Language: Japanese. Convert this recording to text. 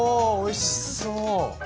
おおいしそう！